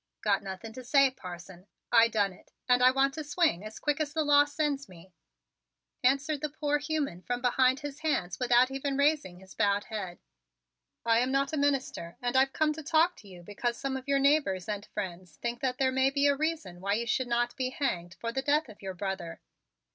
"Got nothing to say, parson. I done it and I want to swing as quick as the law sends me," answered the poor human from behind his hands without even raising his bowed head. "I am not a minister, and I've come to talk to you because some of your neighbors and friends think that there may be a reason why you should not be hanged for the death of your brother.